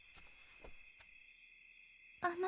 あの。